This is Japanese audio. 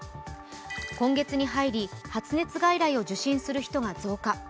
今月に入り発熱外来を受診する人が増加。